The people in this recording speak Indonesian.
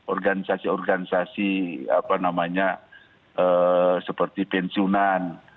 organisasi organisasi seperti pensiunan